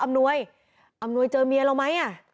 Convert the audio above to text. อำนวยอำนวยเจอเมียเราไหมอ่ะ